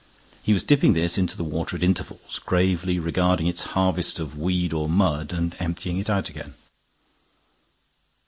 He was dipping this into the water at intervals, gravely regarding its harvest of weed or mud, and emptying it out again.